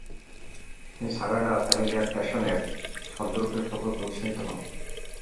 তিনি Sagrada familiar passion এর ছদ্মরূপের প্রকল্পে উৎসাহিত হন।